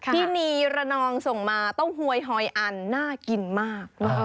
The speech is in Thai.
ที่นี่ระนองส่งมาเต้าหวยหอยอันน่ากินมาก